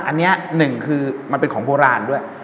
อันนี้หนึ่งคือมันเป็นของโบราณด้วย